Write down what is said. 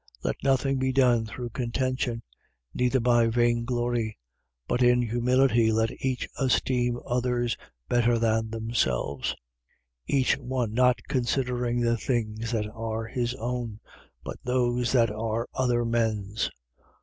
2:3. Let nothing be done through contention: neither by vain glory. But in humility, let each esteem others better than themselves: 2:4. Each one not considering the things that are his own, but those that are other men's.